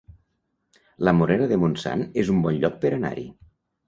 La Morera de Montsant es un bon lloc per anar-hi